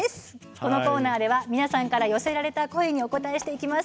このコーナーでは皆さんから寄せられた声にお答えしていきます。